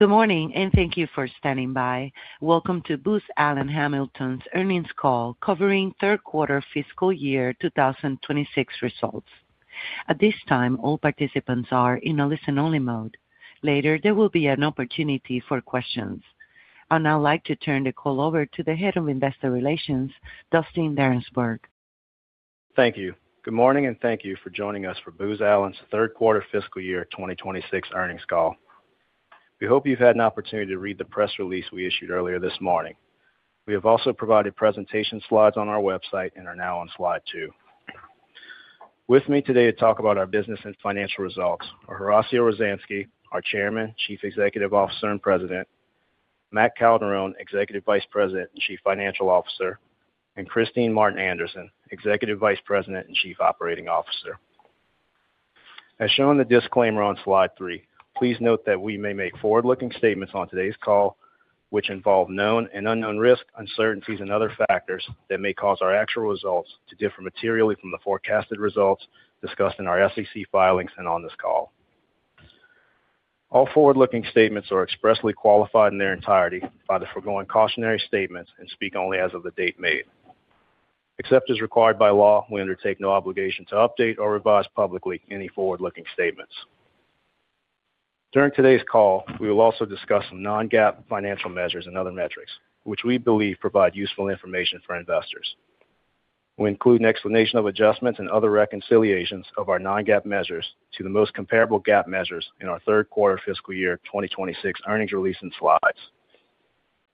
Good morning, and thank you for standing by. Welcome to Booz Allen Hamilton's Earnings Call covering third quarter fiscal year 2026 results. At this time, all participants are in a listen-only mode. Later, there will be an opportunity for questions. I'd like to turn the call over to the head of investor relations, Dustin Darensbourg. Thank you. Good morning, and thank you for joining us for Booz Allen's third-quarter fiscal year 2026 earnings call. We hope you've had an opportunity to read the press release we issued earlier this morning. We have also provided presentation slides on our website and are now on slide two. With me today to talk about our business and financial results are Horacio Rozanski, our Chairman, Chief Executive Officer, and President, Matt Calderone, Executive Vice President and Chief Financial Officer, and Kristine Martin Anderson, Executive Vice President and Chief Operating Officer. As shown in the disclaimer on slide three, please note that we may make forward-looking statements on today's call, which involve known and unknown risks, uncertainties, and other factors that may cause our actual results to differ materially from the forecasted results discussed in our SEC filings and on this call. All forward-looking statements are expressly qualified in their entirety by the foregoing cautionary statements and speak only as of the date made. Except as required by law, we undertake no obligation to update or revise publicly any forward-looking statements. During today's call, we will also discuss some non-GAAP financial measures and other metrics, which we believe provide useful information for investors. We include an explanation of adjustments and other reconciliations of our non-GAAP measures to the most comparable GAAP measures in our third-quarter fiscal year 2026 earnings release and slides.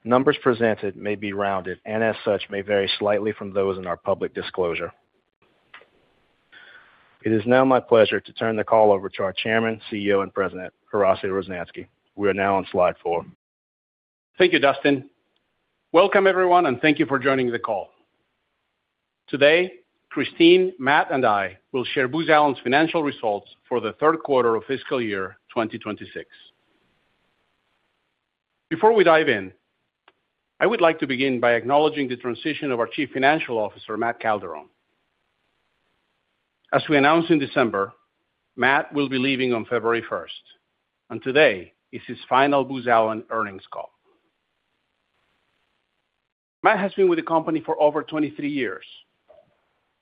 Numbers presented may be rounded and, as such, may vary slightly from those in our public disclosure. It is now my pleasure to turn the call over to our Chairman, CEO, and President, Horacio Rozanski. We are now on slide four. Thank you, Dustin. Welcome, everyone, and thank you for joining the call. Today, Kristine, Matt, and I will share Booz Allen's financial results for the third quarter of fiscal year 2026. Before we dive in, I would like to begin by acknowledging the transition of our Chief Financial Officer, Matt Calderone. As we announced in December, Matt will be leaving on February 1st, and today is his final Booz Allen earnings call. Matt has been with the company for over 23 years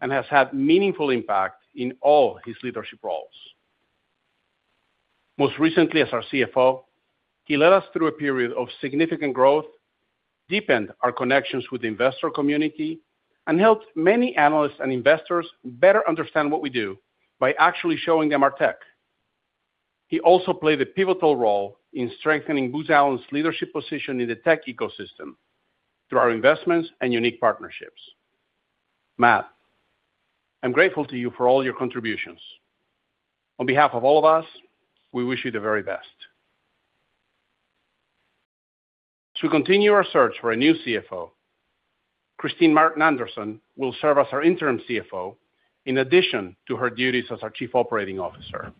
and has had a meaningful impact in all his leadership roles. Most recently, as our CFO, he led us through a period of significant growth, deepened our connections with the investor community, and helped many analysts and investors better understand what we do by actually showing them our tech. He also played a pivotal role in strengthening Booz Allen's leadership position in the tech ecosystem through our investments and unique partnerships. Matt, I'm grateful to you for all your contributions. On behalf of all of us, we wish you the very best. As we continue our search for a new CFO, Kristine Martin Anderson will serve as our interim CFO in addition to her duties as our Chief Operating Officer.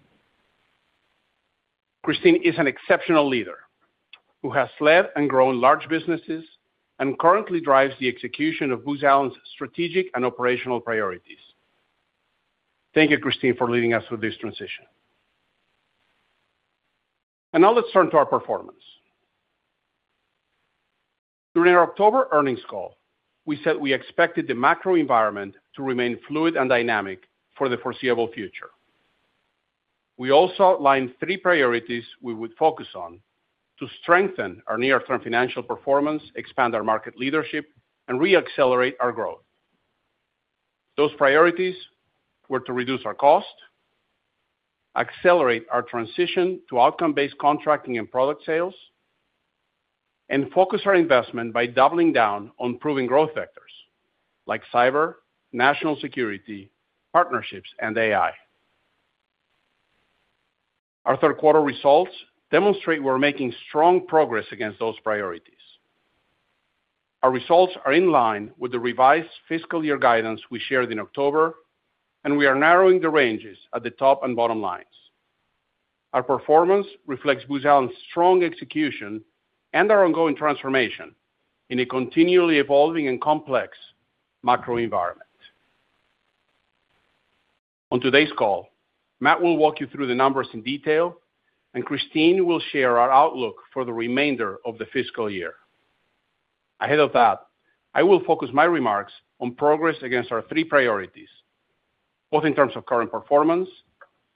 Kristine is an exceptional leader who has led and grown large businesses and currently drives the execution of Booz Allen's strategic and operational priorities. Thank you, Kristine, for leading us through this transition. Now let's turn to our performance. During our October earnings call, we said we expected the macro environment to remain fluid and dynamic for the foreseeable future. We also outlined three priorities we would focus on to strengthen our near-term financial performance, expand our market leadership, and re-accelerate our growth. Those priorities were to reduce our cost, accelerate our transition to outcome-based contracting and product sales, and focus our investment by doubling down on proving growth vectors like cyber, national security, partnerships, and AI. Our third-quarter results demonstrate we're making strong progress against those priorities. Our results are in line with the revised fiscal year guidance we shared in October, and we are narrowing the ranges at the top and bottom lines. Our performance reflects Booz Allen's strong execution and our ongoing transformation in a continually evolving and complex macro environment. On today's call, Matt will walk you through the numbers in detail, and Kristine will share our outlook for the remainder of the fiscal year. Ahead of that, I will focus my remarks on progress against our three priorities, both in terms of current performance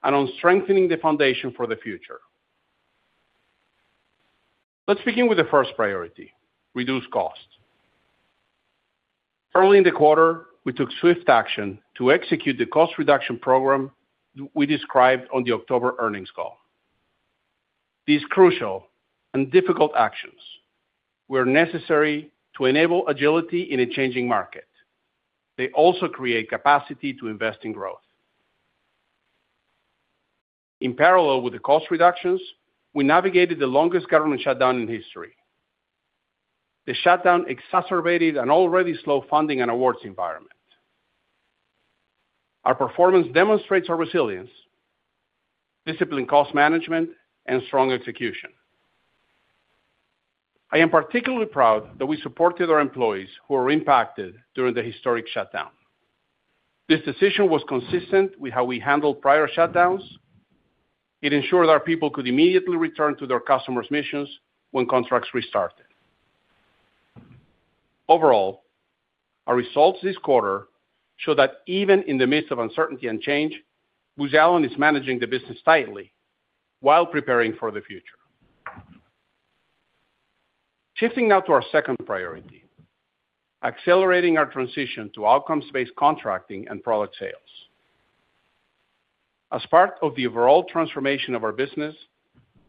and on strengthening the foundation for the future. Let's begin with the first priority: reduce costs. Early in the quarter, we took swift action to execute the cost reduction program we described on the October earnings call. These crucial and difficult actions were necessary to enable agility in a changing market. They also create capacity to invest in growth. In parallel with the cost reductions, we navigated the longest government shutdown in history. The shutdown exacerbated an already slow funding and awards environment. Our performance demonstrates our resilience, disciplined cost management, and strong execution. I am particularly proud that we supported our employees who were impacted during the historic shutdown. This decision was consistent with how we handled prior shutdowns. It ensured our people could immediately return to their customers' missions when contracts restarted. Overall, our results this quarter show that even in the midst of uncertainty and change, Booz Allen is managing the business tightly while preparing for the future. Shifting now to our second priority: accelerating our transition to outcomes-based contracting and product sales. As part of the overall transformation of our business,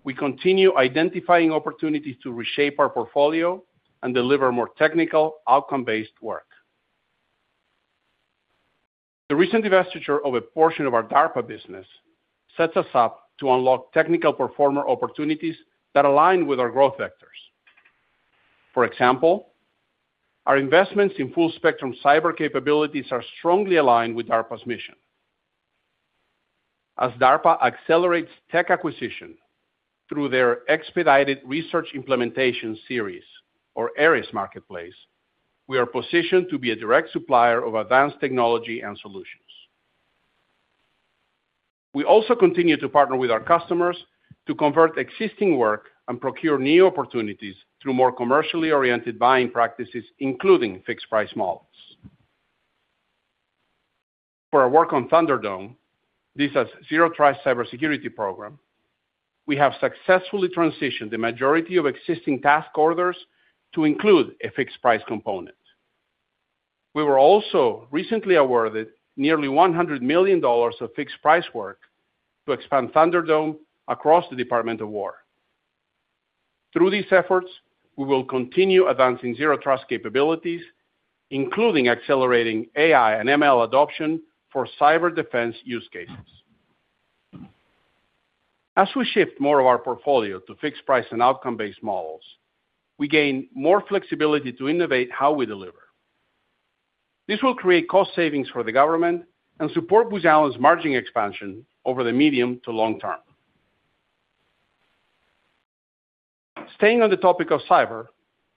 we continue identifying opportunities to reshape our portfolio and deliver more technical outcome-based work. The recent divestiture of a portion of our DARPA business sets us up to unlock technical performer opportunities that align with our growth vectors. For example, our investments in full-spectrum cyber capabilities are strongly aligned with DARPA's mission. As DARPA accelerates tech acquisition through their Expedited Research Innovation System, or ERIS Marketplace, we are positioned to be a direct supplier of advanced technology and solutions. We also continue to partner with our customers to convert existing work and procure new opportunities through more commercially oriented buying practices, including fixed-price models. For our work on Thunderdome, this Zero Trust cybersecurity program, we have successfully transitioned the majority of existing task orders to include a fixed-price component. We were also recently awarded nearly $100 million of fixed-price work to expand Thunderdome across the Department of War. Through these efforts, we will continue advancing Zero Trust capabilities, including accelerating AI and ML adoption for cyber defense use cases. As we shift more of our portfolio to fixed-price and outcome-based models, we gain more flexibility to innovate how we deliver. This will create cost savings for the government and support Booz Allen's margin expansion over the medium to long term. Staying on the topic of cyber,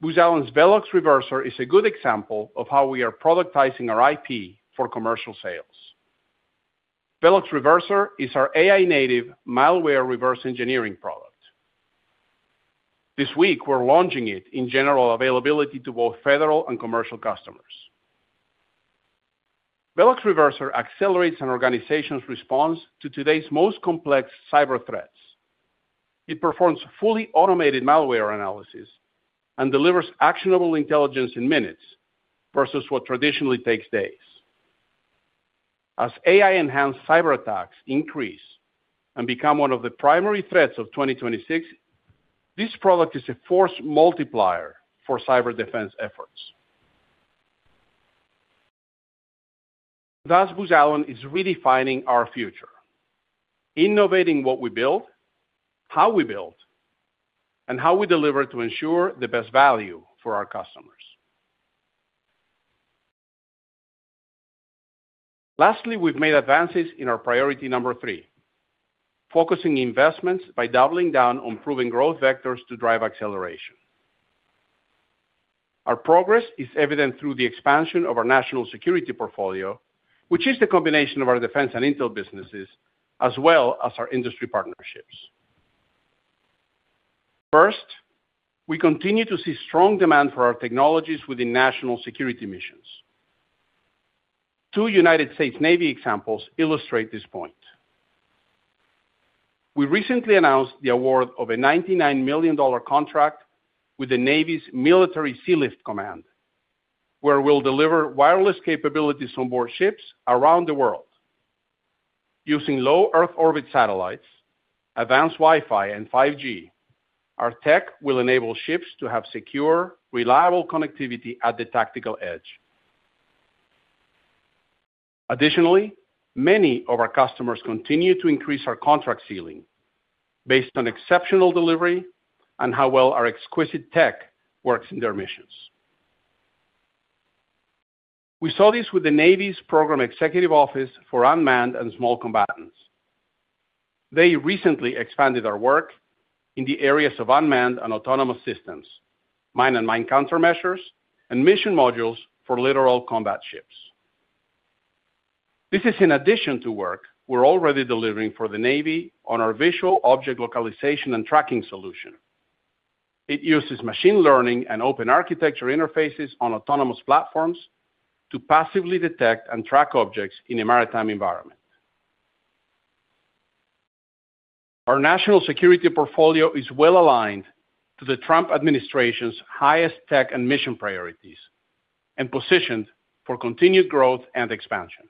Booz Allen's Velox Reverser is a good example of how we are productizing our IP for commercial sales. Velox Reverser is our AI-native malware reverse engineering product. This week, we're launching it in general availability to both federal and commercial customers. Velox Reverser accelerates an organization's response to today's most complex cyber threats. It performs fully automated malware analysis and delivers actionable intelligence in minutes versus what traditionally takes days. As AI-enhanced cyber attacks increase and become one of the primary threats of 2026, this product is a force multiplier for cyber defense efforts. Thus, Booz Allen is redefining our future, innovating what we build, how we build, and how we deliver to ensure the best value for our customers. Lastly, we've made advances in our priority number three, focusing investments by doubling down on proving growth vectors to drive acceleration. Our progress is evident through the expansion of our national security portfolio, which is the combination of our defense and intel businesses, as well as our industry partnerships. First, we continue to see strong demand for our technologies within national security missions. Two United States Navy examples illustrate this point. We recently announced the award of a $99 million contract with the Navy's Military Sealift Command, where we'll deliver wireless capabilities onboard ships around the world. Using low Earth orbit satellites, advanced Wi-Fi, and 5G, our tech will enable ships to have secure, reliable connectivity at the tactical edge. Additionally, many of our customers continue to increase our contract ceiling based on exceptional delivery and how well our exquisite tech works in their missions. We saw this with the Navy's Program Executive Office for Unmanned and Small Combatants. They recently expanded our work in the areas of unmanned and autonomous systems, mine and mine countermeasures, and mission modules for Littoral Combat Ships. This is in addition to work we're already delivering for the Navy on our Visual Object Localization and Tracking solution. It uses machine learning and open architecture interfaces on autonomous platforms to passively detect and track objects in a maritime environment. Our national security portfolio is well aligned to the Trump administration's highest tech and mission priorities and positioned for continued growth and expansion.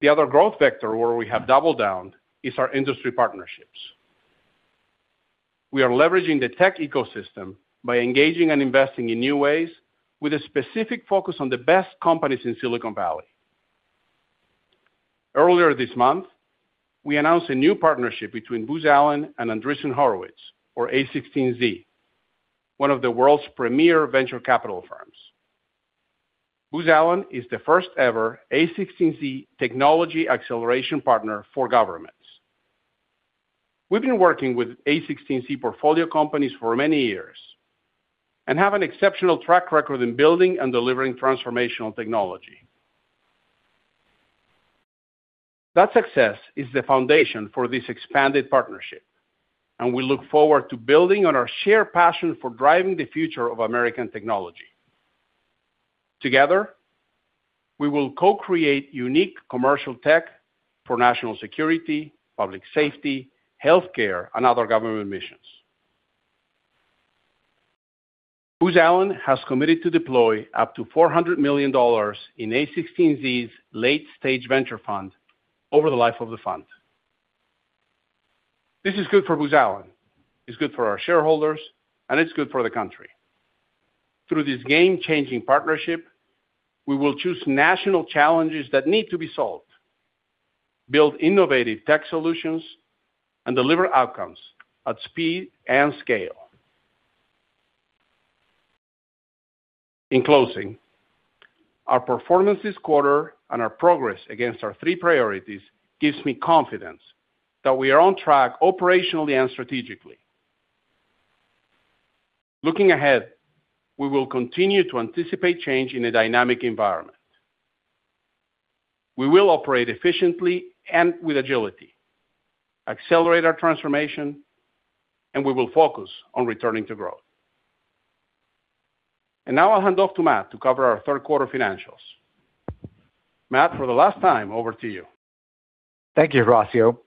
The other growth vector where we have doubled down is our industry partnerships. We are leveraging the tech ecosystem by engaging and investing in new ways with a specific focus on the best companies in Silicon Valley. Earlier this month, we announced a new partnership between Booz Allen and Andreessen Horowitz, or a16z, one of the world's premier venture capital firms. Booz Allen is the first-ever a16z technology acceleration partner for governments. We've been working with a16z portfolio companies for many years and have an exceptional track record in building and delivering transformational technology. That success is the foundation for this expanded partnership, and we look forward to building on our shared passion for driving the future of American technology. Together, we will co-create unique commercial tech for national security, public safety, healthcare, and other government missions. Booz Allen has committed to deploy up to $400 million in a16z's late-stage venture fund over the life of the fund. This is good for Booz Allen. It's good for our shareholders, and it's good for the country. Through this game-changing partnership, we will choose national challenges that need to be solved, build innovative tech solutions, and deliver outcomes at speed and scale. In closing, our performance this quarter and our progress against our three priorities gives me confidence that we are on track operationally and strategically. Looking ahead, we will continue to anticipate change in a dynamic environment. We will operate efficiently and with agility, accelerate our transformation, and we will focus on returning to growth. And now I'll hand off to Matt to cover our third-quarter financials. Matt, for the last time, over to you. Thank you, Horacio,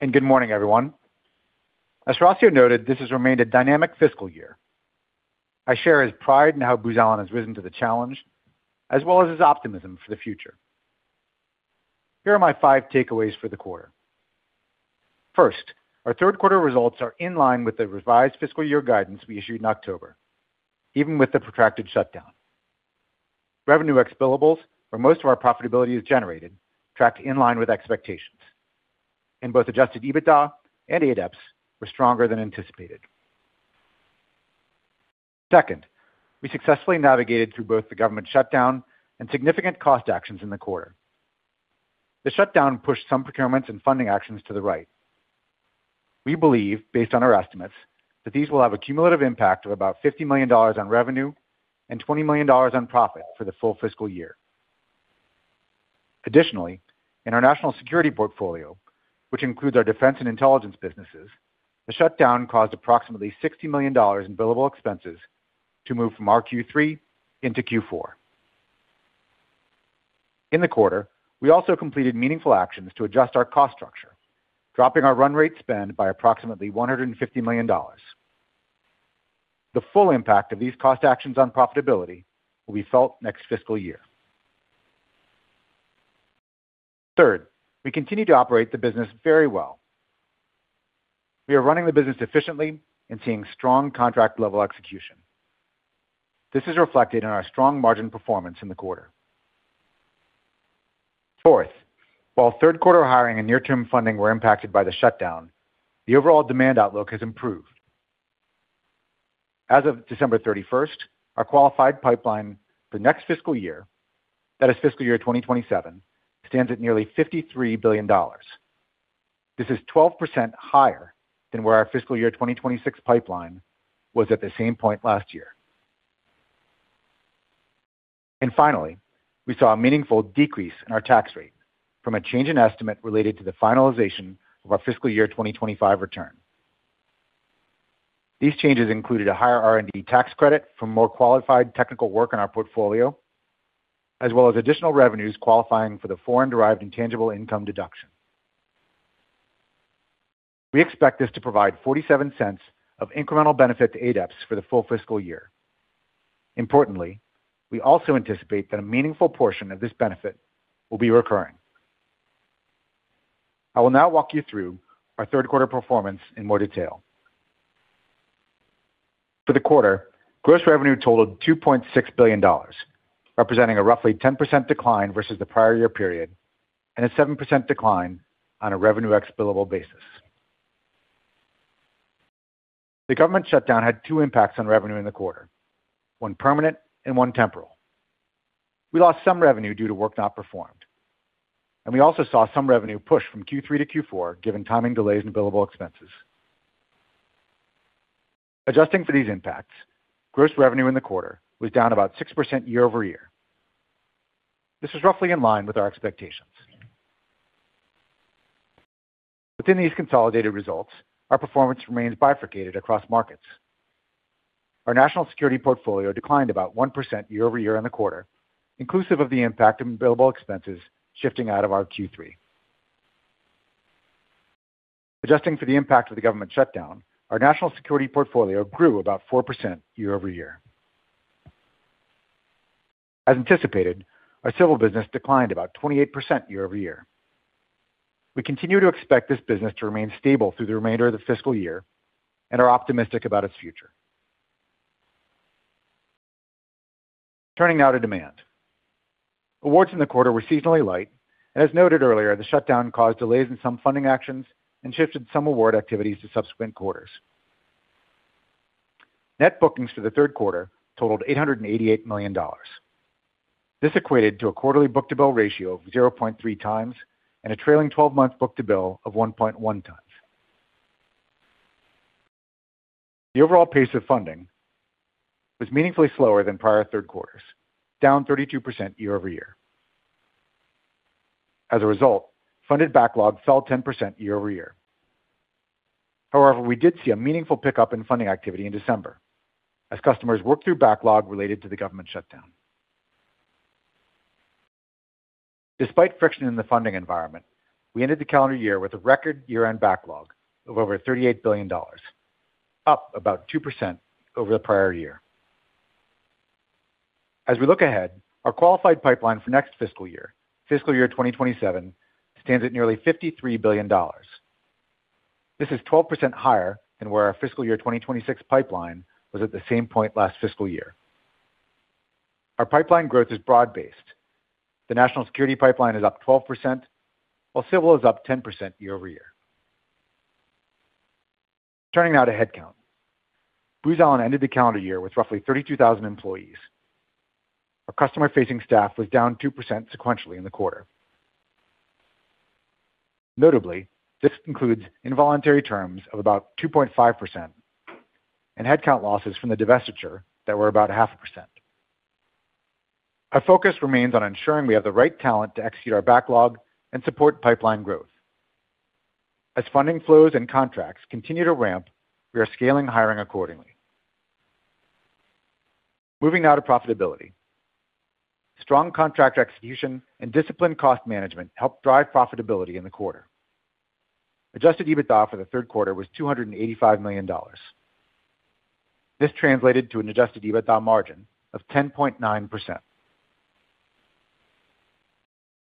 and good morning, everyone. As Horacio noted, this has remained a dynamic fiscal year. I share his pride in how Booz Allen has risen to the challenge, as well as his optimism for the future. Here are my five takeaways for the quarter. First, our third-quarter results are in line with the revised fiscal year guidance we issued in October, even with the protracted shutdown. Revenue ex billables, where most of our profitability is generated, tracked in line with expectations. Both Adjusted EBITDA and ADEPS were stronger than anticipated. Second, we successfully navigated through both the government shutdown and significant cost actions in the quarter. The shutdown pushed some procurements and funding actions to the right. We believe, based on our estimates, that these will have a cumulative impact of about $50 million on revenue and $20 million on profit for the full fiscal year. Additionally, in our national security portfolio, which includes our defense and intelligence businesses, the shutdown caused approximately $60 million in billable expenses to move from Q3 into Q4. In the quarter, we also completed meaningful actions to adjust our cost structure, dropping our run rate spend by approximately $150 million. The full impact of these cost actions on profitability will be felt next fiscal year. Third, we continue to operate the business very well. We are running the business efficiently and seeing strong contract-level execution. This is reflected in our strong margin performance in the quarter. Fourth, while third-quarter hiring and near-term funding were impacted by the shutdown, the overall demand outlook has improved. As of December 31st, our qualified pipeline for next fiscal year, that is fiscal year 2027, stands at nearly $53 billion. This is 12% higher than where our fiscal year 2026 pipeline was at the same point last year. And finally, we saw a meaningful decrease in our tax rate from a change in estimate related to the finalization of our fiscal year 2025 return. These changes included a higher R&D tax credit for more qualified technical work on our portfolio, as well as additional revenues qualifying for the Foreign-Derived Intangible Income deduction. We expect this to provide $0.47 of incremental benefit to ADEPS for the full fiscal year. Importantly, we also anticipate that a meaningful portion of this benefit will be recurring. I will now walk you through our third-quarter performance in more detail. For the quarter, gross revenue totaled $2.6 billion, representing a roughly 10% decline versus the prior year period and a 7% decline on a revenue ex billable basis. The government shutdown had two impacts on revenue in the quarter, one permanent and one temporal. We lost some revenue due to work not performed, and we also saw some revenue push from Q3 to Q4, given timing delays in billable expenses. Adjusting for these impacts, gross revenue in the quarter was down about 6% year-over-year. This was roughly in line with our expectations. Within these consolidated results, our performance remains bifurcated across markets. Our national security portfolio declined about 1% year-over-year in the quarter, inclusive of the impact of billable expenses shifting out of Q3. Adjusting for the impact of the government shutdown, our national security portfolio grew about 4% year-over-year. As anticipated, our Civil business declined about 28% year-over-year. We continue to expect this business to remain stable through the remainder of the fiscal year and are optimistic about its future. Turning now to demand. Awards in the quarter were seasonally light, and as noted earlier, the shutdown caused delays in some funding actions and shifted some award activities to subsequent quarters. Net bookings for the third quarter totaled $888 million. This equated to a quarterly book-to-bill ratio of 0.3x and a trailing 12-month book-to-bill of 1.1x. The overall pace of funding was meaningfully slower than prior third quarters, down 32% year-over-year. As a result, funded backlog fell 10% year-over-year. However, we did see a meaningful pickup in funding activity in December as customers worked through backlog related to the government shutdown. Despite friction in the funding environment, we ended the calendar year with a record year-end backlog of over $38 billion, up about 2% over the prior year. As we look ahead, our qualified pipeline for next fiscal year, fiscal year 2027, stands at nearly $53 billion. This is 12% higher than where our fiscal year 2026 pipeline was at the same point last fiscal year. Our pipeline growth is broad-based. The national security pipeline is up 12%, while Civil is up 10% year-over-year. Turning now to headcount. Booz Allen ended the calendar year with roughly 32,000 employees. Our customer-facing staff was down 2% sequentially in the quarter. Notably, this includes involuntary terms of about 2.5% and headcount losses from the divestiture that were about 0.5%. Our focus remains on ensuring we have the right talent to execute our backlog and support pipeline growth. As funding flows and contracts continue to ramp, we are scaling hiring accordingly. Moving now to profitability. Strong contract execution and disciplined cost management helped drive profitability in the quarter. Adjusted EBITDA for the third quarter was $285 million. This translated to an Adjusted EBITDA margin of 10.9%.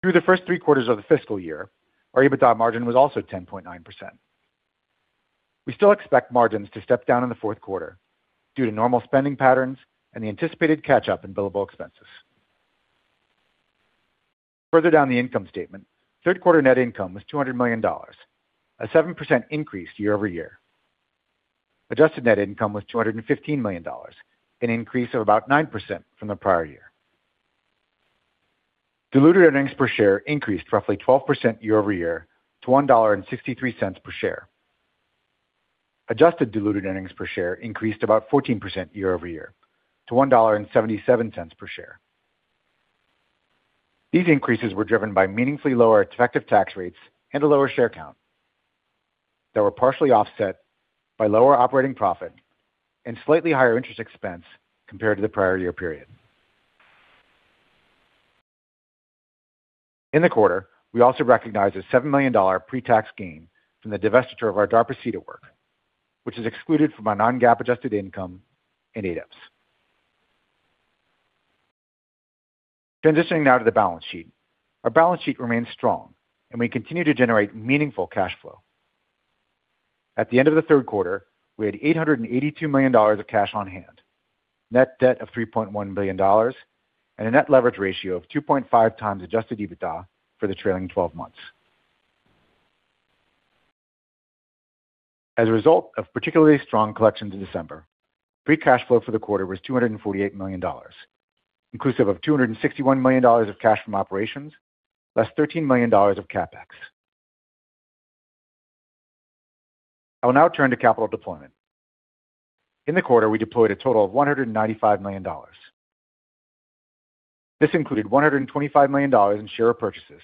Through the first three quarters of the fiscal year, our EBITDA margin was also 10.9%. We still expect margins to step down in the fourth quarter due to normal spending patterns and the anticipated catch-up in billable expenses. Further down the income statement, third-quarter net income was $200 million, a 7% increase year-over-year. Adjusted net income was $215 million, an increase of about 9% from the prior year. Diluted earnings per share increased roughly 12% year-over-year to $1.63 per share. Adjusted diluted earnings per share increased about 14% year-over-year to $1.77 per share. These increases were driven by meaningfully lower effective tax rates and a lower share count that were partially offset by lower operating profit and slightly higher interest expense compared to the prior year period. In the quarter, we also recognized a $7 million pre-tax gain from the divestiture of our DARPA's SETA work, which is excluded from our non-GAAP adjusted income and ADEPS. Transitioning now to the balance sheet, our balance sheet remains strong, and we continue to generate meaningful cash flow. At the end of the third quarter, we had $882 million of cash on hand, net debt of $3.1 million, and a net leverage ratio of 2.5x Adjusted EBITDA for the trailing 12 months. As a result of particularly strong collections in December, free cash flow for the quarter was $248 million, inclusive of $261 million of cash from operations, less $13 million of CapEx. I will now turn to capital deployment. In the quarter, we deployed a total of $195 million. This included $125 million in share purchases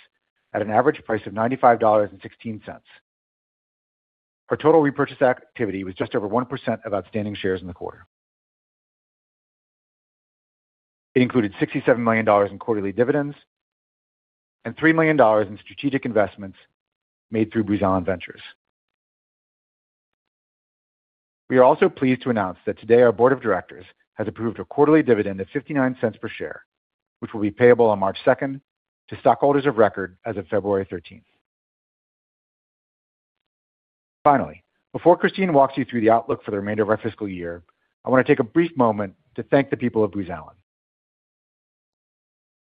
at an average price of $95.16. Our total repurchase activity was just over 1% of outstanding shares in the quarter. It included $67 million in quarterly dividends and $3 million in strategic investments made through Booz Allen Ventures. We are also pleased to announce that today our board of directors has approved a quarterly dividend of $0.59 per share, which will be payable on March 2nd to stockholders of record as of February 13th. Finally, before Kristine walks you through the outlook for the remainder of our fiscal year, I want to take a brief moment to thank the people of Booz Allen.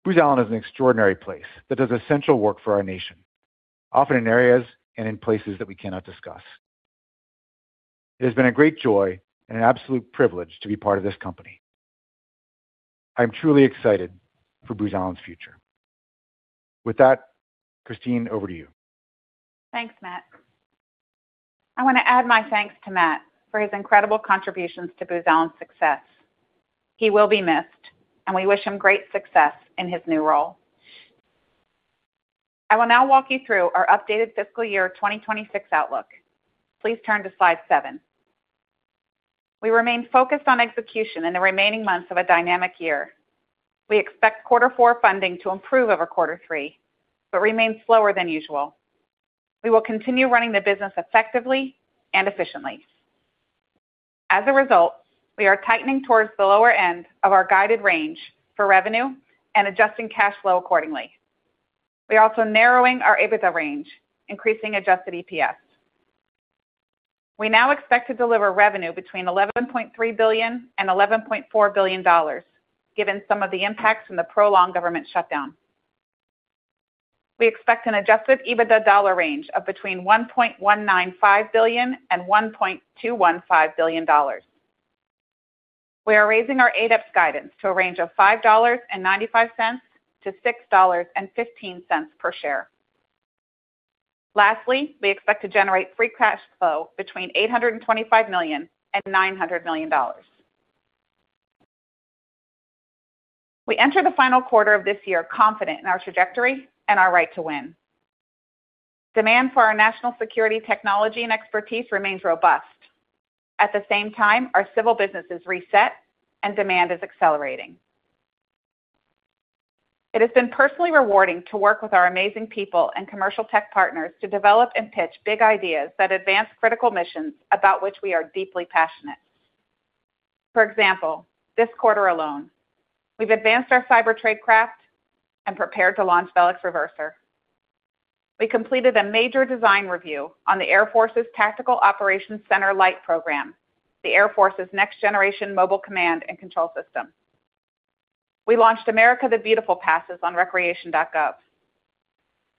Booz Allen is an extraordinary place that does essential work for our nation, often in areas and in places that we cannot discuss. It has been a great joy and an absolute privilege to be part of this company. I am truly excited for Booz Allen's future. With that, Kristine, over to you. Thanks, Matt. I want to add my thanks to Matt for his incredible contributions to Booz Allen's success. He will be missed, and we wish him great success in his new role. I will now walk you through our updated fiscal year 2026 outlook. Please turn to slide seven. We remain focused on execution in the remaining months of a dynamic year. We expect quarter four funding to improve over quarter three, but remain slower than usual. We will continue running the business effectively and efficiently. As a result, we are tightening towards the lower end of our guided range for revenue and adjusting cash flow accordingly. We are also narrowing our EBITDA range, increasing adjusted EPS. We now expect to deliver revenue between $11.3 billion and $11.4 billion, given some of the impacts from the prolonged government shutdown. We expect an Adjusted EBITDA dollar range of between $1.195 billion and $1.215 billion. We are raising our ADEPS guidance to a range of $5.95-$6.15 per share. Lastly, we expect to generate free cash flow between $825 million and $900 million. We enter the final quarter of this year confident in our trajectory and our right to win. Demand for our national security technology and expertise remains robust. At the same time, our Civil business is reset, and demand is accelerating. It has been personally rewarding to work with our amazing people and commercial tech partners to develop and pitch big ideas that advance critical missions about which we are deeply passionate. For example, this quarter alone, we've advanced our cyber tradecraft and prepared to launch Velox Reverser. We completed a major design review on the Air Force's Tactical Operations Center-Light program, the Air Force's next-generation mobile command and control system. We launched America the Beautiful passes on Recreation.gov.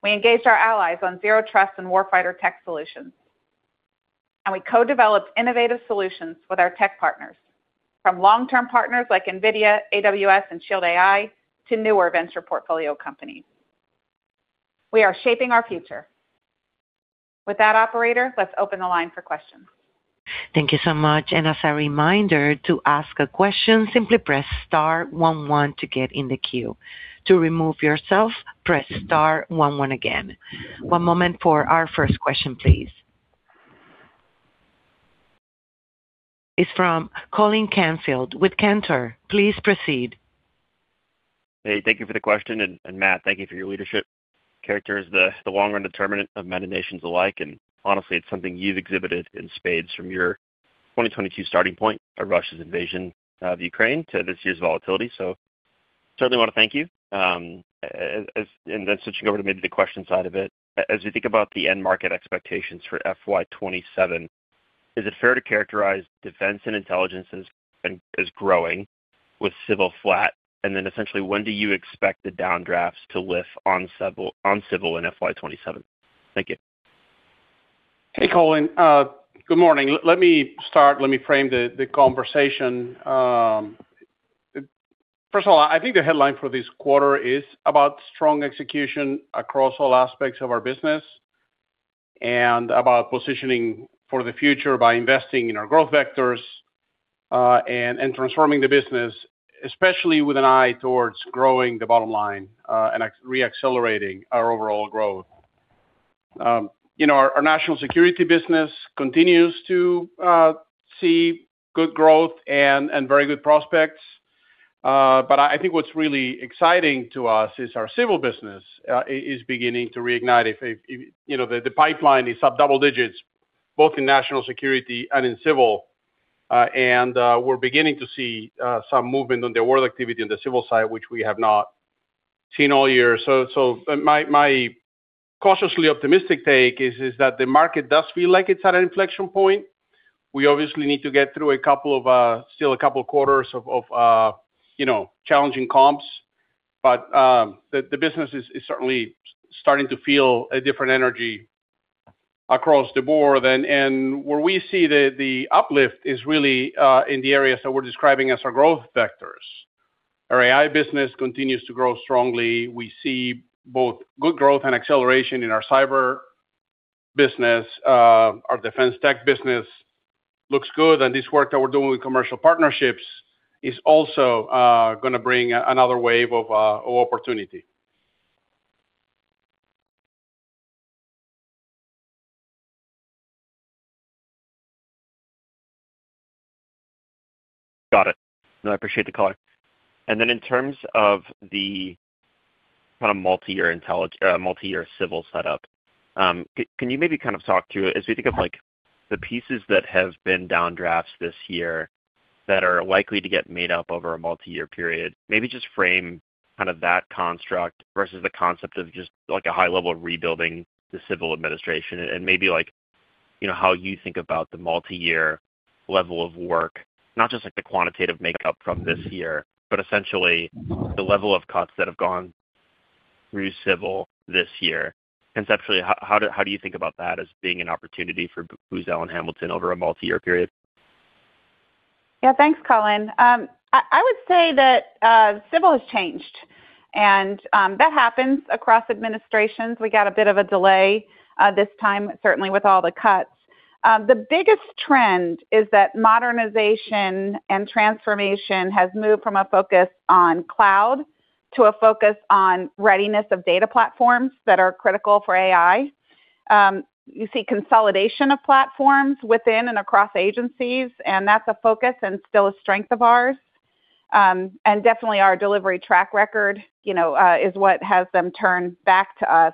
We engaged our allies on Zero Trust and Warfighter tech solutions, and we co-developed innovative solutions with our tech partners, from long-term partners like NVIDIA, AWS, and Shield AI to newer venture portfolio companies. We are shaping our future. With that, operator, let's open the line for questions. Thank you so much. As a reminder to ask a question, simply press star one one to get in the queue. To remove yourself, press star one one again. One moment for our first question, please. It's from Colin Canfield with Cantor. Please proceed. Hey, thank you for the question. Matt, thank you for your leadership. Character is the long-run determinant of many nations alike. Honestly, it's something you've exhibited in spades from your 2022 starting point, a Russian invasion of Ukraine, to this year's volatility. Certainly want to thank you. And then switching over to maybe the question side of it, as we think about the end market expectations for FY27, is it fair to characterize defense and intelligence as growing with Civil flat? And then essentially, when do you expect the downdrafts to lift on Civil in FY27? Thank you. Hey, Colin. Good morning. Let me start. Let me frame the conversation. First of all, I think the headline for this quarter is about strong execution across all aspects of our business and about positioning for the future by investing in our growth vectors and transforming the business, especially with an eye towards growing the bottom line and re-accelerating our overall growth. Our national security business continues to see good growth and very good prospects. But I think what's really exciting to us is our Civil business is beginning to reignite. The pipeline is up double digits, both in national security and in Civil. We're beginning to see some movement on the work activity on the Civil side, which we have not seen all year. So my cautiously optimistic take is that the market does feel like it's at an inflection point. We obviously need to get through a couple of still a couple of quarters of challenging comps. But the business is certainly starting to feel a different energy across the board. Where we see the uplift is really in the areas that we're describing as our growth vectors. Our AI business continues to grow strongly. We see both good growth and acceleration in our cyber business. Our defense tech business looks good. This work that we're doing with commercial partnerships is also going to bring another wave of opportunity. Got it. No, I appreciate the call. And then in terms of the kind of multi-year Civil setup, can you maybe kind of talk to, as we think of the pieces that have been downdrafts this year that are likely to get made up over a multi-year period, maybe just frame kind of that construct versus the concept of just a high-level rebuilding the Civil administration and maybe how you think about the multi-year level of work, not just the quantitative makeup from this year, but essentially the level of cuts that have gone through Civil this year. Conceptually, how do you think about that as being an opportunity for Booz Allen Hamilton over a multi-year period? Yeah, thanks, Colin. I would say that Civil has changed. And that happens across administrations. We got a bit of a delay this time, certainly with all the cuts. The biggest trend is that modernization and transformation has moved from a focus on cloud to a focus on readiness of data platforms that are critical for AI. You see consolidation of platforms within and across agencies, and that's a focus and still a strength of ours. And definitely our delivery track record is what has them turn back to us.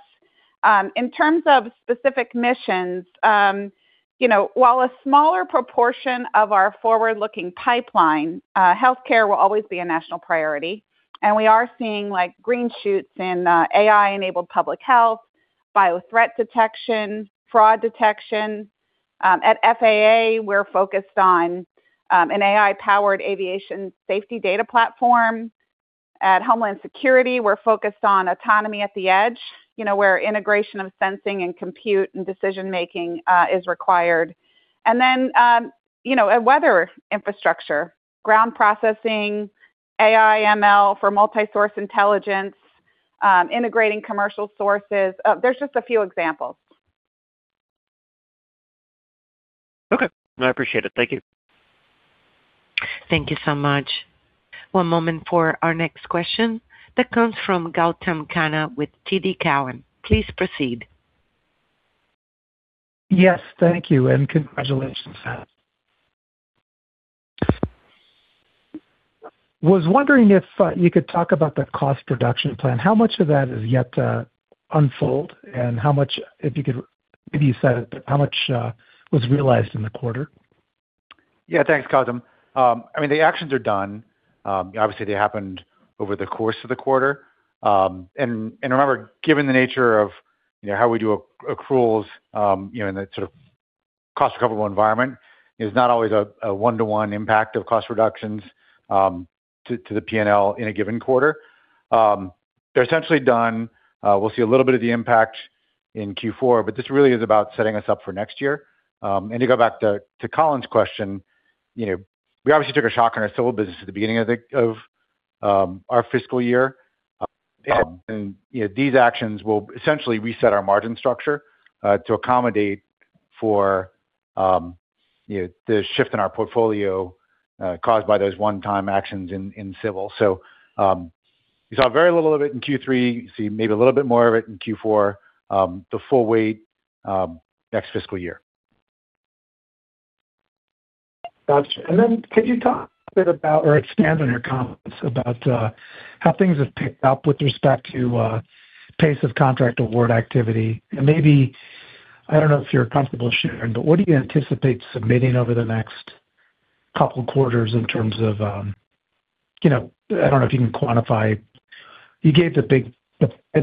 In terms of specific missions, while a smaller proportion of our forward-looking pipeline, healthcare will always be a national priority. And we are seeing green shoots in AI-enabled public health, bio-threat detection, fraud detection. At FAA, we're focused on an AI-powered aviation safety data platform. At Homeland Security, we're focused on autonomy at the edge, where integration of sensing and compute and decision-making is required. And then weather infrastructure, ground processing, AI/ML for multi-source intelligence, integrating commercial sources. There's just a few examples. Okay. No, I appreciate it. Thank you. Thank you so much. One moment for our next question. That comes from Gautam Khanna with TD Cowen. Please proceed. Yes, thank you. And congratulations on that. Was wondering if you could talk about the cost reduction plan. How much of that is yet to unfold? And how much, if you could maybe you said it, but how much was realized in the quarter? Yeah, thanks, Gautam. I mean, the actions are done. Obviously, they happened over the course of the quarter. And remember, given the nature of how we do accruals in that sort of cost recoverable environment, there's not always a one-to-one impact of cost reductions to the P&L in a given quarter. They're essentially done. We'll see a little bit of the impact in Q4, but this really is about setting us up for next year. To go back to Colin's question, we obviously took a shock on our Civil business at the beginning of our fiscal year. These actions will essentially reset our margin structure to accommodate for the shift in our portfolio caused by those one-time actions in Civil. We saw very little of it in Q3. You see maybe a little bit more of it in Q4, the full weight next fiscal year. Gotcha. Then could you talk a bit about, or expand on your comments about how things have picked up with respect to pace of contract award activity? Maybe, I don't know if you're comfortable sharing, but what do you anticipate submitting over the next couple of quarters in terms of, I don't know if you can quantify, you gave the big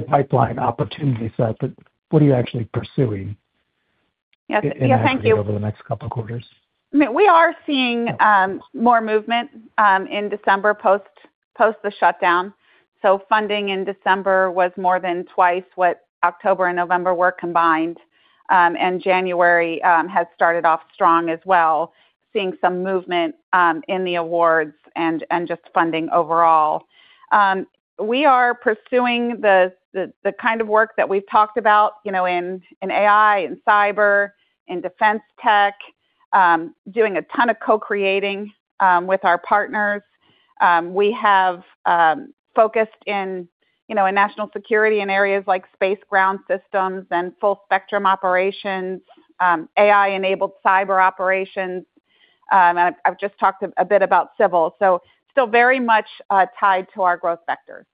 pipeline opportunity set, but what are you actually pursuing in the next couple of quarters? We are seeing more movement in December post the shutdown. Funding in December was more than twice what October and November were combined. January has started off strong as well, seeing some movement in the awards and just funding overall. We are pursuing the kind of work that we've talked about in AI, in cyber, in defense tech, doing a ton of co-creating with our partners. We have focused in national security in areas like space ground systems and full spectrum operations, AI-enabled cyber operations. I've just talked a bit about Civil. So still very much tied to our growth vectors.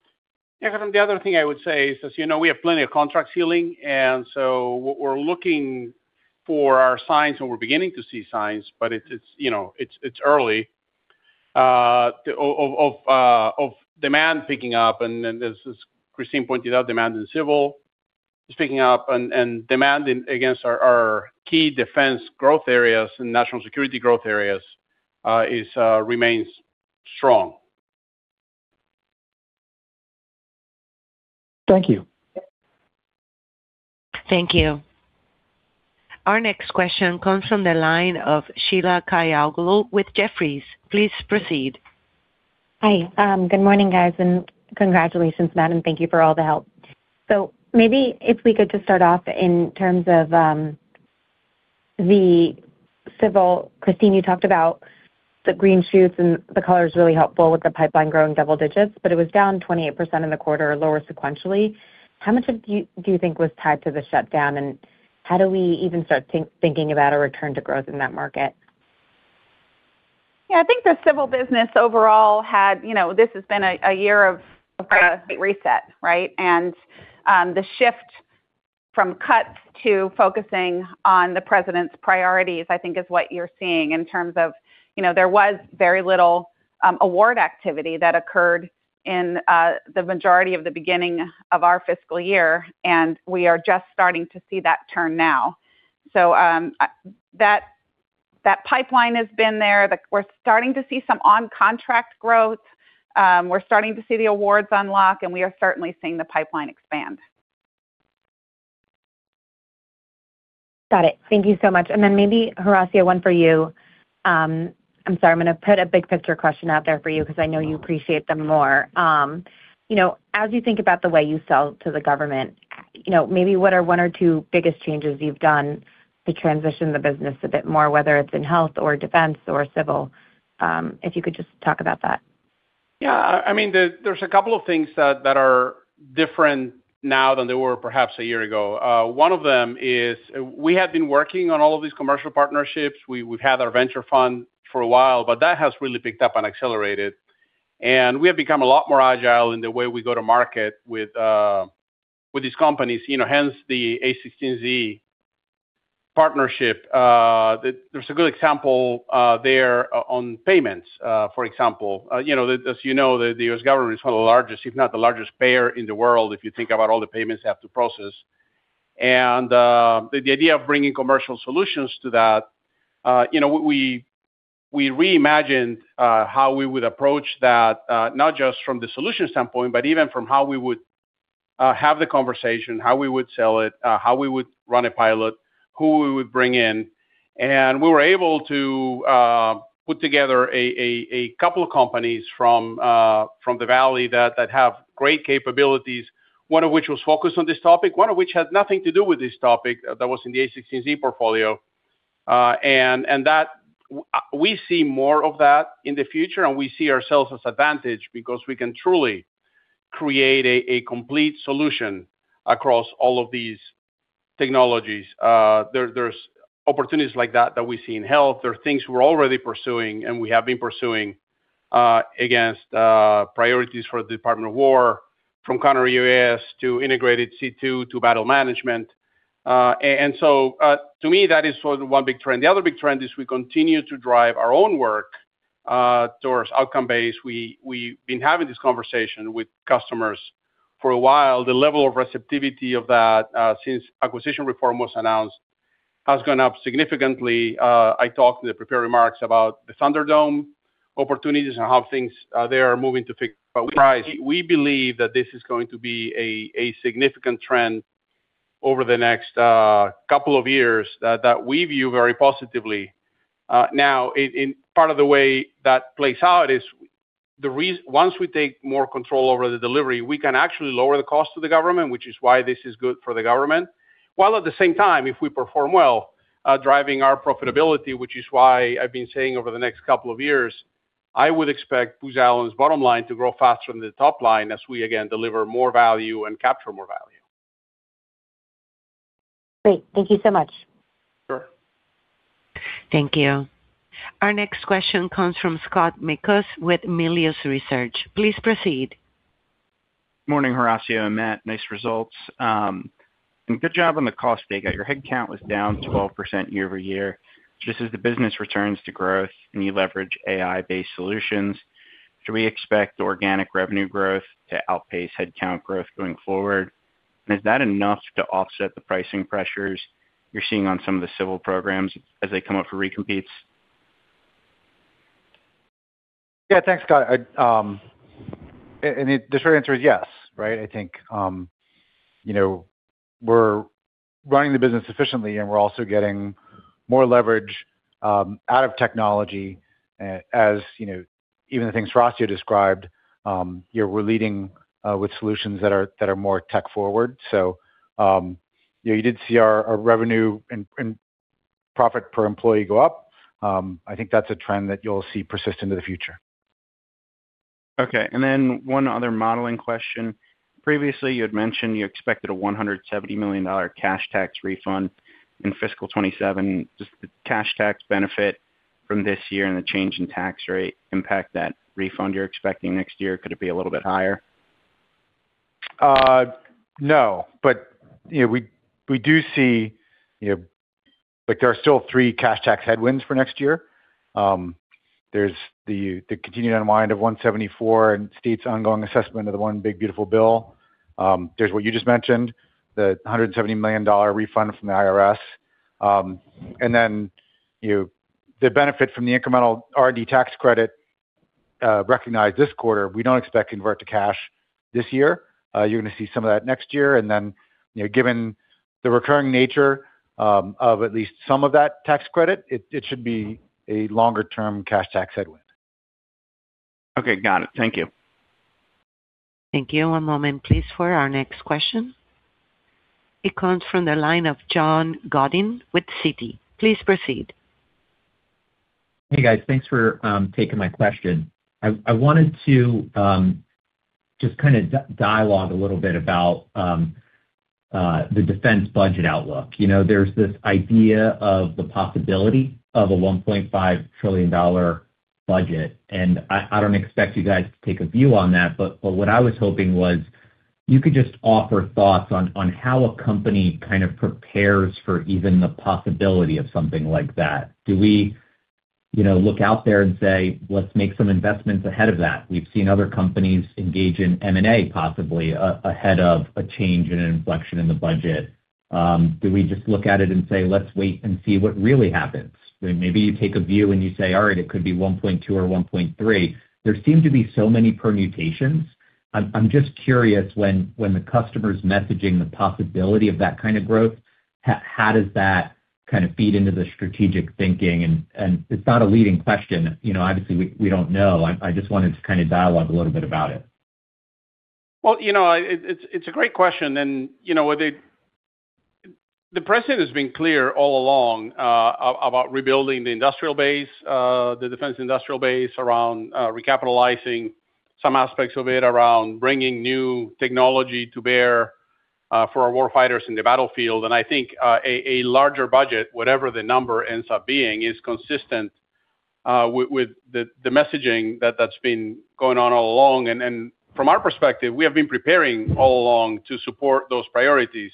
Yeah, because the other thing I would say is, as you know, we have plenty of contracts healing. And so we're looking for early signs, and we're beginning to see signs, but it's early of demand picking up. And as Kristine pointed out, demand in Civil is picking up. And demand against our key defense growth areas and national security growth areas remains strong. Thank you. Thank you. Our next question comes from the line of Sheila Kahyaoglu with Jefferies. Please proceed. Hi. Good morning, guys. And congratulations, Matt, and thank you for all the help. So maybe if we could just start off in terms of the Civil. Kristine, you talked about the green shoots, and the color is really helpful with the pipeline growing double digits, but it was down 28% in the quarter, lower sequentially. How much do you think was tied to the shutdown, and how do we even start thinking about a return to growth in that market? Yeah, I think the Civil business overall had, this has been a year of a reset, right? And the shift from cuts to focusing on the president's priorities, I think, is what you're seeing in terms of there was very little award activity that occurred in the majority of the beginning of our fiscal year. And we are just starting to see that turn now. So that pipeline has been there. We're starting to see some on-contract growth. We're starting to see the awards unlock, and we are certainly seeing the pipeline expand. Got it. Thank you so much. And then maybe, Horacio, one for you. I'm sorry. I'm going to put a big picture question out there for you because I know you appreciate them more. As you think about the way you sell to the government, maybe what are one or two biggest changes you've done to transition the business a bit more, whether it's in health or defense or Civil? If you could just talk about that. Yeah. I mean, there's a couple of things that are different now than they were perhaps a year ago. One of them is we have been working on all of these commercial partnerships. We've had our venture fund for a while, but that has really picked up and accelerated. And we have become a lot more agile in the way we go to market with these companies, hence the a16z partnership. There's a good example there on payments, for example. As you know, the U.S. government is one of the largest, if not the largest payer in the world, if you think about all the payments they have to process. And the idea of bringing commercial solutions to that, we reimagined how we would approach that, not just from the solution standpoint, but even from how we would have the conversation, how we would sell it, how we would run a pilot, who we would bring in. And we were able to put together a couple of companies from the Valley that have great capabilities, one of which was focused on this topic, one of which had nothing to do with this topic that was in the a16z portfolio. And we see more of that in the future, and we see ourselves as advantaged because we can truly create a complete solution across all of these technologies. There's opportunities like that that we see in health. There are things we're already pursuing and we have been pursuing against priorities for the Department of Defense, from Counter-UAS to integrated C2 to battle management. And so to me, that is one big trend. The other big trend is we continue to drive our own work towards outcome-based. We've been having this conversation with customers for a while. The level of receptivity of that since acquisition reform was announced has gone up significantly. I talked in the prepared remarks about the Thunderdome opportunities and how things there are moving to fixed-price. We believe that this is going to be a significant trend over the next couple of years that we view very positively. Now, part of the way that plays out is once we take more control over the delivery, we can actually lower the cost to the government, which is why this is good for the government. While at the same time, if we perform well, driving our profitability, which is why I've been saying over the next couple of years, I would expect Booz Allen's bottom line to grow faster than the top line as we, again, deliver more value and capture more value. Great. Thank you so much. Sure. Thank you. Our next question comes from Scott Mikus with Melius Research. Please proceed. Good morning, Horacio and Matt. Nice results. And good job on the cost data. Your headcount was down 12% year-over-year. Just as the business returns to growth and you leverage AI-based solutions, should we expect organic revenue growth to outpace headcount growth going forward? And is that enough to offset the pricing pressures you're seeing on some of the Civil programs as they come up for recompetes? Yeah, thanks, Scott. And the short answer is yes, right? I think we're running the business efficiently, and we're also getting more leverage out of technology. As even the things Horacio described, we're leading with solutions that are more tech-forward. So you did see our revenue and profit per employee go up. I think that's a trend that you'll see persist into the future. Okay. And then one other modeling question. Previously, you had mentioned you expected a $170 million cash tax refund in fiscal 2027. Does the cash tax benefit from this year and the change in tax rate impact that refund you're expecting next year? Could it be a little bit higher? No, but we do see there are still three cash tax headwinds for next year. There's the continued unwind of 174 and state's ongoing assessment of The One Big Beautiful Bill. There's what you just mentioned, the $170 million refund from the IRS. And then the benefit from the incremental R&D tax credit recognized this quarter. We don't expect to convert to cash this year. You're going to see some of that next year. And then given the recurring nature of at least some of that tax credit, it should be a longer-term cash tax headwind. Okay. Got it. Thank you. Thank you. One moment, please, for our next question. It comes from the line of John Godyn with Citi. Please proceed. Hey, guys. Thanks for taking my question. I wanted to just kind of dialogue a little bit about the defense budget outlook. There's this idea of the possibility of a $1.5 trillion budget. I don't expect you guys to take a view on that, but what I was hoping was you could just offer thoughts on how a company kind of prepares for even the possibility of something like that. Do we look out there and say, "Let's make some investments ahead of that"? We've seen other companies engage in M&A possibly ahead of a change in an inflection in the budget. Do we just look at it and say, "Let's wait and see what really happens"? Maybe you take a view and you say, "All right, it could be 1.2 or 1.3." There seem to be so many permutations. I'm just curious when the customer's messaging the possibility of that kind of growth, how does that kind of feed into the strategic thinking? It's not a leading question. Obviously, we don't know. I just wanted to kind of dialogue a little bit about it. Well, it's a great question. The president has been clear all along about rebuilding the defense industrial base around recapitalizing some aspects of it, around bringing new technology to bear for our war fighters in the battlefield. I think a larger budget, whatever the number ends up being, is consistent with the messaging that's been going on all along. From our perspective, we have been preparing all along to support those priorities.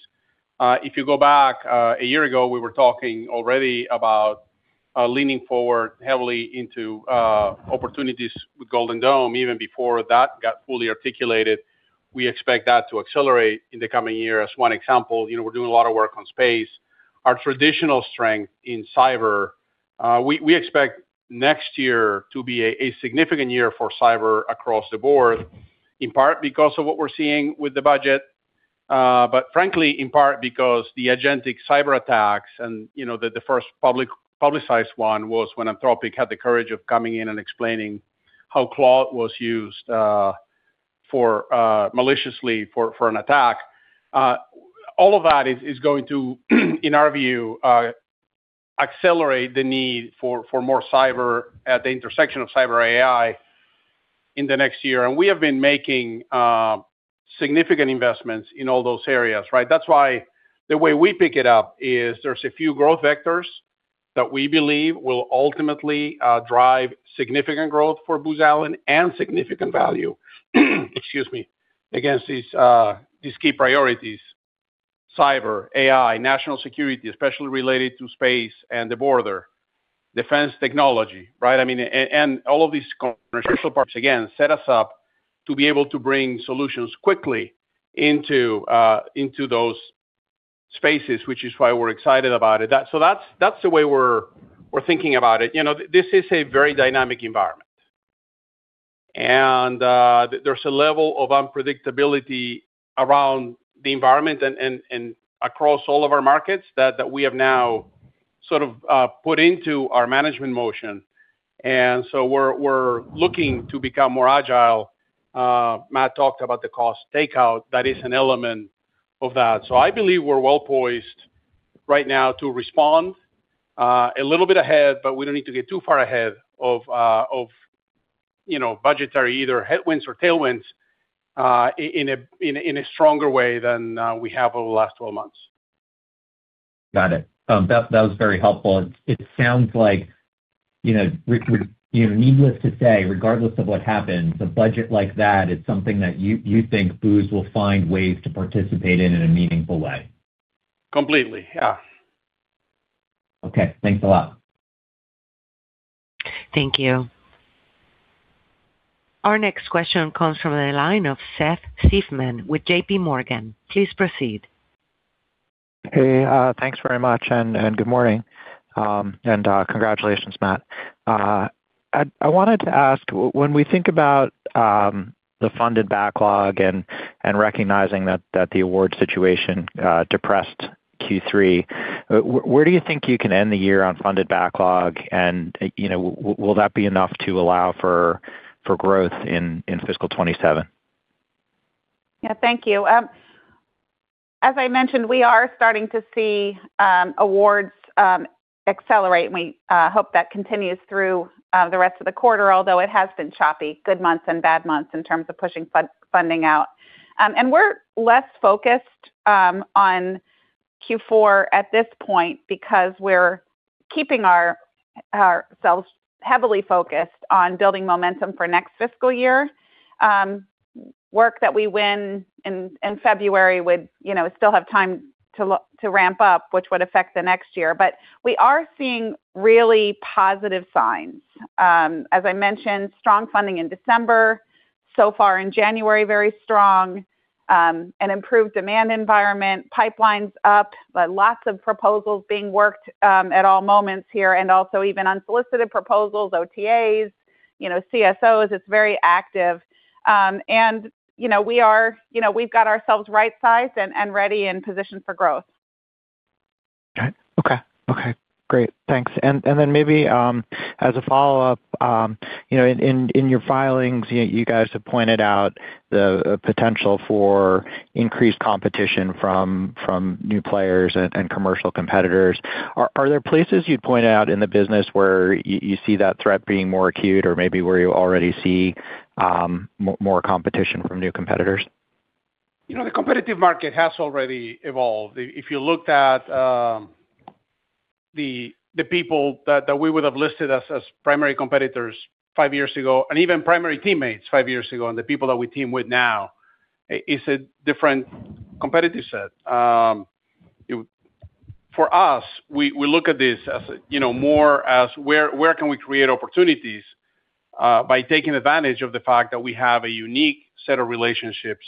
If you go back a year ago, we were talking already about leaning forward heavily into opportunities with Golden Dome. Even before that got fully articulated, we expect that to accelerate in the coming year. As one example, we're doing a lot of work on space. Our traditional strength in cyber, we expect next year to be a significant year for cyber across the board, in part because of what we're seeing with the budget, but frankly, in part because the agentic cyber attacks and the first publicized one was when Anthropic had the courage of coming in and explaining how Claude was used maliciously for an attack. All of that is going to, in our view, accelerate the need for more cyber at the intersection of cyber AI in the next year. And we have been making significant investments in all those areas, right? That's why the way we pick it up is there's a few growth vectors that we believe will ultimately drive significant growth for Booz Allen and significant value, excuse me, against these key priorities: cyber, AI, national security, especially related to space and the border, defense technology, right? I mean, and all of these commercial partners, again, set us up to be able to bring solutions quickly into those spaces, which is why we're excited about it. So that's the way we're thinking about it. This is a very dynamic environment. There's a level of unpredictability around the environment and across all of our markets that we have now sort of put into our management motion. So we're looking to become more agile. Matt talked about the cost takeout. That is an element of that. So I believe we're well poised right now to respond a little bit ahead, but we don't need to get too far ahead of budgetary either headwinds or tailwinds in a stronger way than we have over the last 12 months. Got it. That was very helpful. It sounds like needless to say, regardless of what happens, a budget like that is something that you think Booz will find ways to participate in in a meaningful way. Completely. Yeah. Okay. Thanks a lot. Thank you. Our next question comes from the line of Seth Seifman with J.P. Morgan. Please proceed. Hey, thanks very much and good morning. And congratulations, Matt. I wanted to ask, when we think about the funded backlog and recognizing that the award situation depressed Q3, where do you think you can end the year on funded backlog? And will that be enough to allow for growth in fiscal 2027? Yeah. Thank you. As I mentioned, we are starting to see awards accelerate. We hope that continues through the rest of the quarter, although it has been choppy, good months and bad months in terms of pushing funding out. We're less focused on Q4 at this point because we're keeping ourselves heavily focused on building momentum for next fiscal year. Work that we win in February would still have time to ramp up, which would affect the next year. But we are seeing really positive signs. As I mentioned, strong funding in December, so far in January, very strong, an improved demand environment, pipelines up, lots of proposals being worked at all moments here, and also even unsolicited proposals, OTAs, CSOs. It's very active. We've got ourselves right-sized and ready and positioned for growth. Okay. Okay. Okay. Great. Thanks. Then maybe as a follow-up, in your filings, you guys have pointed out the potential for increased competition from new players and commercial competitors. Are there places you'd point out in the business where you see that threat being more acute or maybe where you already see more competition from new competitors? The competitive market has already evolved. If you looked at the people that we would have listed as primary competitors five years ago and even primary teammates five years ago and the people that we team with now, it's a different competitive set. For us, we look at this more as where can we create opportunities by taking advantage of the fact that we have a unique set of relationships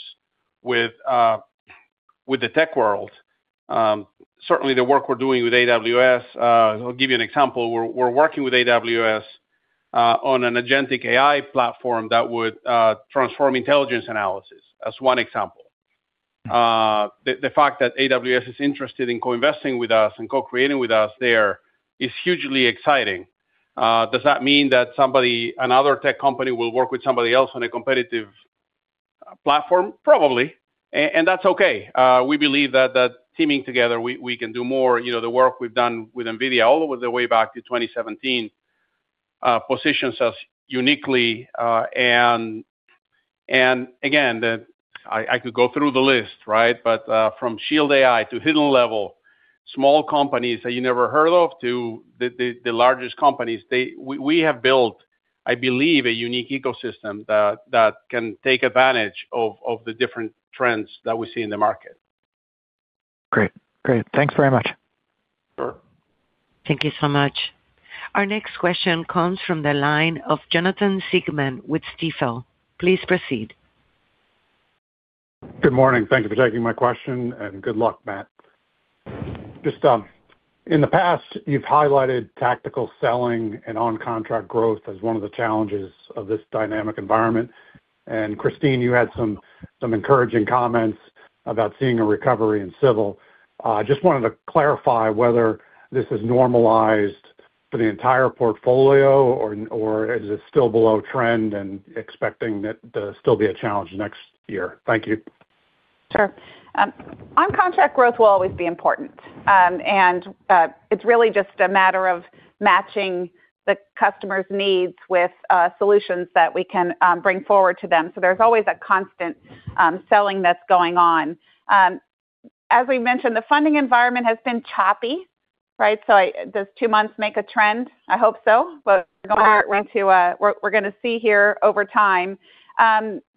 with the tech world. Certainly, the work we're doing with AWS, I'll give you an example. We're working with AWS on an agentic AI platform that would transform intelligence analysis as one example. The fact that AWS is interested in co-investing with us and co-creating with us there is hugely exciting. Does that mean that another tech company will work with somebody else on a competitive platform? Probably. And that's okay. We believe that teaming together, we can do more. The work we've done with NVIDIA all the way back to 2017 positions us uniquely. And again, I could go through the list, right? But from Shield AI to Hidden Level, small companies that you never heard of to the largest companies, we have built, I believe, a unique ecosystem that can take advantage of the different trends that we see in the market. Great. Great. Thanks very much. Sure. Thank you so much. Our next question comes from the line of Jonathan Siegmann with Stifel. Please proceed. Good morning. Thank you for taking my question. And good luck, Matt. Just in the past, you've highlighted tactical selling and on-contract growth as one of the challenges of this dynamic environment. Kristine, you had some encouraging comments about seeing a recovery in Civil. I just wanted to clarify whether this has normalized for the entire portfolio or is it still below trend and expecting there'll still be a challenge next year. Thank you. Sure. On-contract growth will always be important. It's really just a matter of matching the customer's needs with solutions that we can bring forward to them. There's always a constant selling that's going on. As we mentioned, the funding environment has been choppy, right? Does two months make a trend? I hope so. But we're going to see here over time.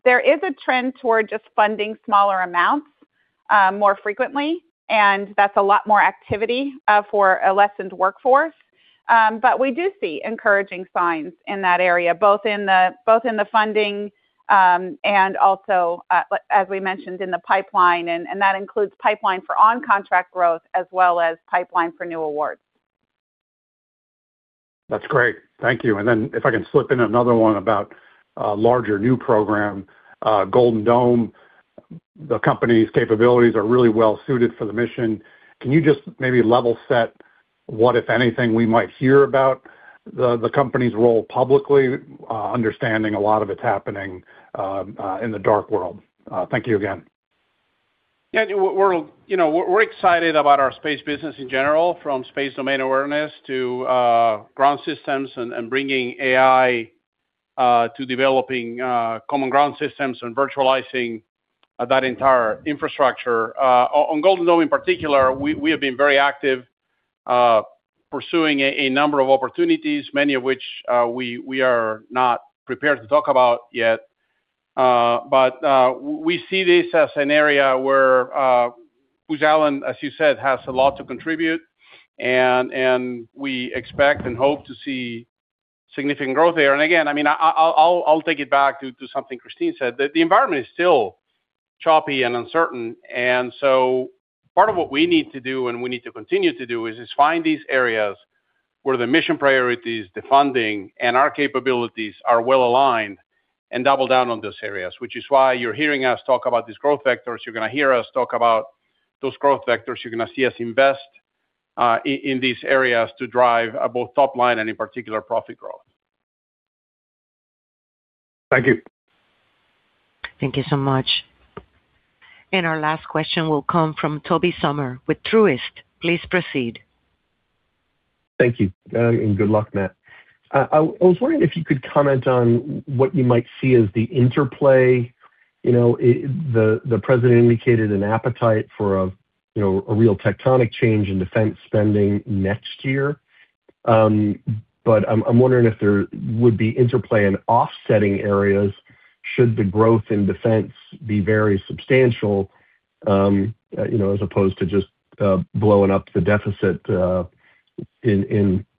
There is a trend toward just funding smaller amounts more frequently, and that's a lot more activity for a lessened workforce. But we do see encouraging signs in that area, both in the funding and also, as we mentioned, in the pipeline. And that includes pipeline for on-contract growth as well as pipeline for new awards. That's great. Thank you. And then if I can slip in another one about a larger new program, Golden Dome, the company's capabilities are really well suited for the mission. Can you just maybe level set what, if anything, we might hear about the company's role publicly, understanding a lot of it's happening in the dark world? Thank you again. Yeah. We're excited about our space business in general, from space domain awareness to ground systems and bringing AI to developing common ground systems and virtualizing that entire infrastructure. On Golden Dome, in particular, we have been very active pursuing a number of opportunities, many of which we are not prepared to talk about yet. But we see this as an area where Booz Allen, as you said, has a lot to contribute. We expect and hope to see significant growth there. And again, I mean, I'll take it back to something Kristine said. The environment is still choppy and uncertain. And so part of what we need to do and we need to continue to do is find these areas where the mission priorities, the funding, and our capabilities are well aligned and double down on those areas, which is why you're hearing us talk about these growth vectors. You're going to hear us talk about those growth vectors. You're going to see us invest in these areas to drive both top line and, in particular, profit growth. Thank you. Thank you so much. And our last question will come from Tobey Sommer with Truist. Please proceed. Thank you. And good luck, Matt. I was wondering if you could comment on what you might see as the interplay. The President indicated an appetite for a real tectonic change in defense spending next year. But I'm wondering if there would be interplay in offsetting areas should the growth in defense be very substantial as opposed to just blowing up the deficit.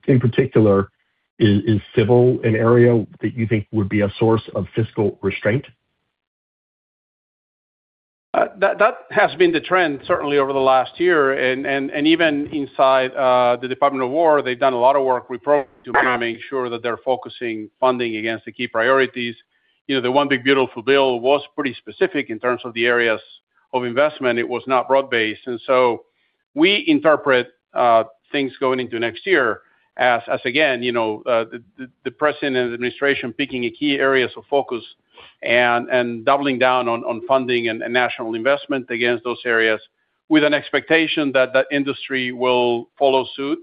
In particular, is Civil an area that you think would be a source of fiscal restraint? That has been the trend, certainly, over the last year. And even inside the Department of Defense, they've done a lot of work reprogramming to make sure that they're focusing funding against the key priorities. The One Big Beautiful Bill was pretty specific in terms of the areas of investment. It was not broad-based. And so we interpret things going into next year as, again, the President and administration picking key areas of focus and doubling down on funding and national investment against those areas with an expectation that that industry will follow suit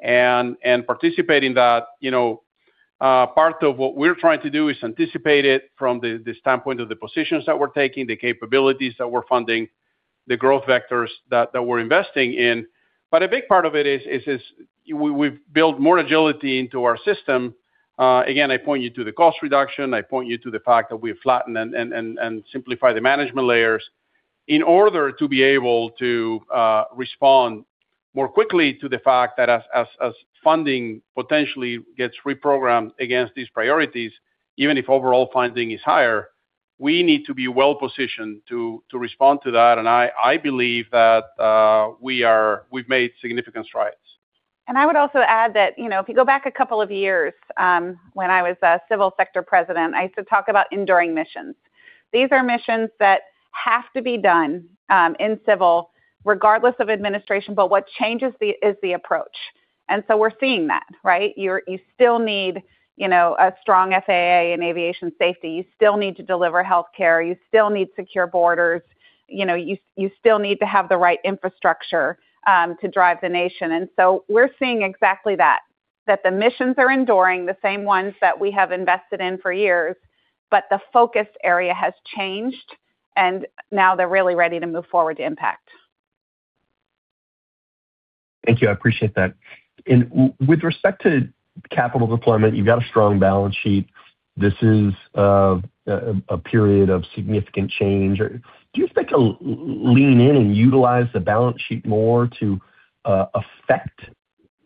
and participate in that. Part of what we're trying to do is anticipate it from the standpoint of the positions that we're taking, the capabilities that we're funding, the growth vectors that we're investing in. But a big part of it is we've built more agility into our system. Again, I point you to the cost reduction. I point you to the fact that we've flattened and simplified the management layers in order to be able to respond more quickly to the fact that as funding potentially gets reprogrammed against these priorities, even if overall funding is higher, we need to be well-positioned to respond to that. And I believe that we've made significant strides. And I would also add that if you go back a couple of years when I was a Civil sector President, I used to talk about enduring missions. These are missions that have to be done in Civil, regardless of administration, but what changes is the approach. And so we're seeing that, right? You still need a strong FAA and aviation safety. You still need to deliver healthcare. You still need secure borders. You still need to have the right infrastructure to drive the nation. And so we're seeing exactly that, that the missions are enduring, the same ones that we have invested in for years, but the focus area has changed, and now they're really ready to move forward to impact. Thank you. I appreciate that. And with respect to capital deployment, you've got a strong balance sheet. This is a period of significant change. Do you expect to lean in and utilize the balance sheet more to affect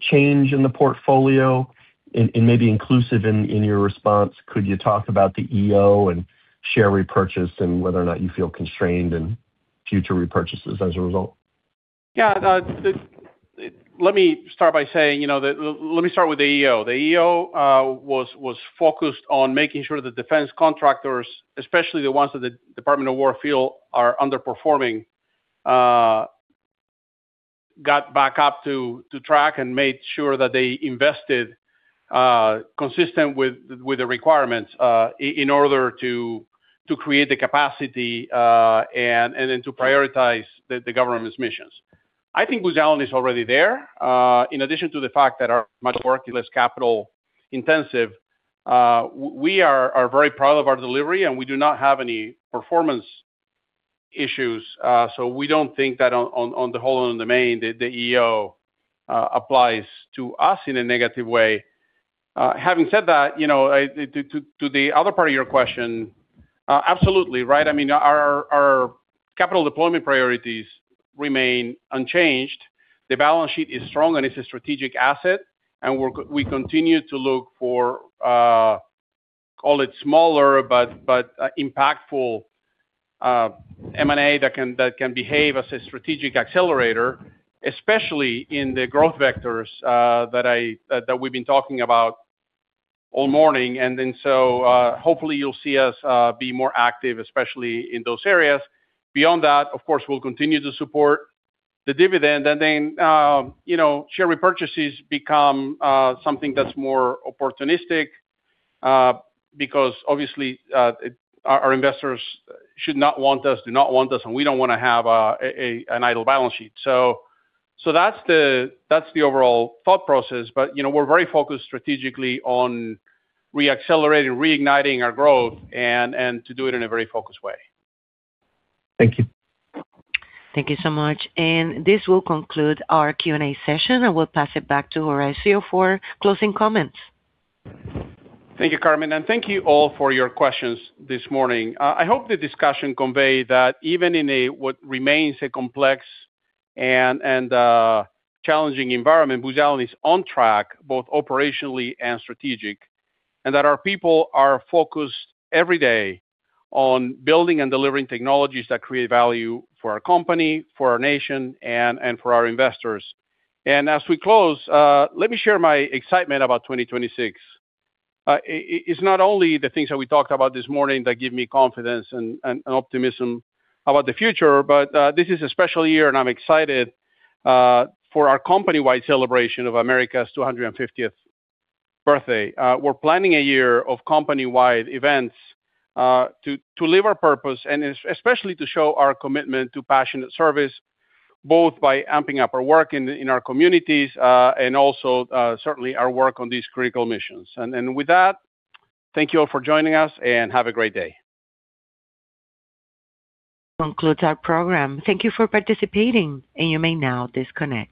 change in the portfolio? And maybe inclusive in your response, could you talk about the EO and share repurchase and whether or not you feel constrained in future repurchases as a result? Yeah. Let me start with the EO. The EO was focused on making sure that the defense contractors, especially the ones that the Department of Defense warfighters are underperforming, got back on track and made sure that they invested consistently with the requirements in order to create the capacity and to prioritize the government's missions. I think Booz Allen is already there. In addition to the fact that our work is much less capital-intensive, we are very proud of our delivery, and we do not have any performance issues. So we don't think that on the whole and on the main, the EO applies to us in a negative way. Having said that, to the other part of your question, absolutely, right? I mean, our capital deployment priorities remain unchanged. The balance sheet is strong, and it's a strategic asset. We continue to look for, call it smaller, but impactful M&A that can behave as a strategic accelerator, especially in the growth vectors that we've been talking about all morning. Then so hopefully, you'll see us be more active, especially in those areas. Beyond that, of course, we'll continue to support the dividend. Then share repurchases become something that's more opportunistic because, obviously, our investors should not want us, do not want us, and we don't want to have an idle balance sheet. So that's the overall thought process. But we're very focused strategically on reaccelerating, reigniting our growth and to do it in a very focused way. Thank you. Thank you so much. And this will conclude our Q&A session. I will pass it back to Horacio for closing comments. Thank you, Carmen. And thank you all for your questions this morning. I hope the discussion conveyed that even in what remains a complex and challenging environment, Booz Allen is on track both operationally and strategic, and that our people are focused every day on building and delivering technologies that create value for our company, for our nation, and for our investors. And as we close, let me share my excitement about 2026. It's not only the things that we talked about this morning that give me confidence and optimism about the future, but this is a special year, and I'm excited for our company-wide celebration of America's 250th birthday. We're planning a year of company-wide events to live our purpose and especially to show our commitment to passionate service, both by amping up our work in our communities and also, certainly, our work on these critical missions. And with that, thank you all for joining us, and have a great day. Concludes our program. Thank you for participating, and you may now disconnect.